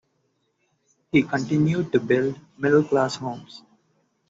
He continued to build middle-class homes.